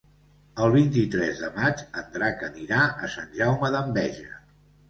El vint-i-tres de maig en Drac anirà a Sant Jaume d'Enveja.